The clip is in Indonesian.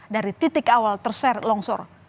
dari titik awal terseret longsor